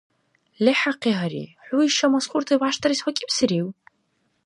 ЛехӀахъи, гьари, хӀу иша масхурти вяшдарес вакӀибсирив?